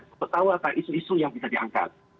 keputusan isu isu yang bisa diangkat